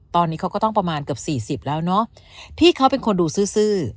ตอนนี้เขาก็ต้องประมาณเกือบสี่สิบแล้วเนอะที่เขาเป็นคนดูซื่อ